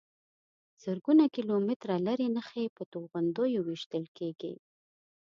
زرګونه کیلومتره لرې نښې په توغندیو ویشتل کېږي.